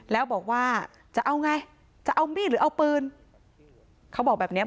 แล้วบอกว่าจะเอาไงจะเอามีดหรือเอาปืนเขาบอกแบบเนี้ย